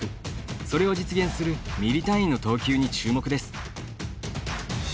それを実現するミリ単位の投球に注目です。